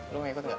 lo gak ikut gak